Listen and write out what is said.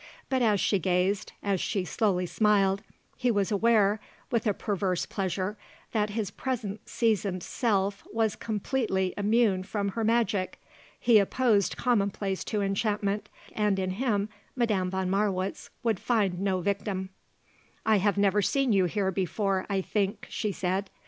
But as she gazed, as she slowly smiled, he was aware, with a perverse pleasure, that his present seasoned self was completely immune from her magic. He opposed commonplace to enchantment, and in him Madame von Marwitz would find no victim. "I have never seen you here before, I think," she said.